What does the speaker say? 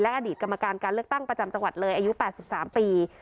อดีตกรรมการการเลือกตั้งประจำจังหวัดเลยอายุ๘๓ปี